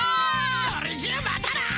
それじゃあまたな！